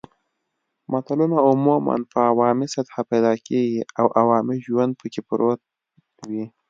متلونه عموماً په عوامي سطحه پیدا کیږي او عوامي ژوند پکې پروت وي